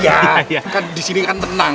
ya kan di sini kan tenang